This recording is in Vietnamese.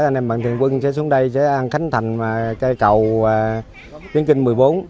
anh em bạn thường quân sẽ xuống đây sẽ ăn khánh thành cây cầu tuyến kinh một mươi bốn